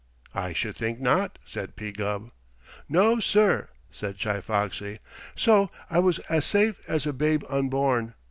"I should think not," said P. Gubb. "No, sir!" said Chi Foxy. "So I was as safe as a babe unborn.